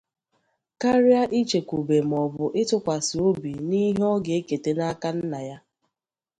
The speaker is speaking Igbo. karịa ichekwube maọbụ ịtụkwasị obi n'ihe ọ ga-eketa n'aka nna ya